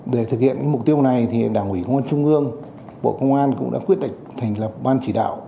để thực hiện mục tiêu này thì đảng ủy công an trung ương bộ công an cũng đã quyết định thành lập ban chỉ đạo